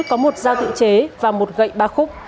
có một dao tự chế và một gậy ba khúc